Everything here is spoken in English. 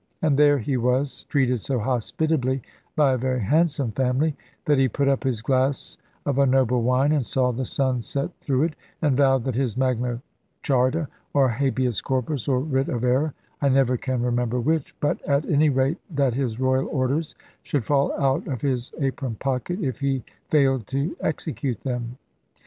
And there he was treated so hospitably by a very handsome family, that he put up his glass of a noble wine, and saw the sun set through it, and vowed that his Magna Charta, or Habeas Corpus, or Writ of Error I never can remember which but at any rate that his royal orders should fall out of his apron pocket, if he failed to execute them.